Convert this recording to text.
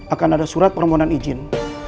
akan ada surat permohonan izin